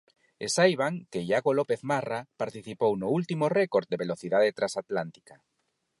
E saiban que Iago López Marra participou no último récord de velocidade transatlántica.